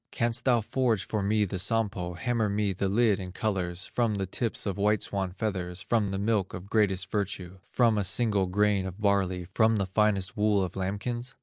Canst thou forge for me the Sampo, Hammer me the lid in colors, From the tips of white swan feathers From the milk of greatest virtue, From a single grain of barley, From the finest wool of lambkins?